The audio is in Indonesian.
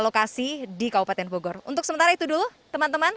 lokasi di kabupaten bogor untuk sementara itu dulu teman teman